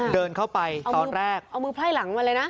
เดินเข้าไปตอนแรกเอามือไพร่หลังมาเลยนะ